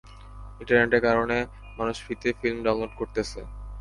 ইন্টারনেটের কারনে মানুষ ফ্রীতে ফিল্ম ডাউনলোড করতেসে।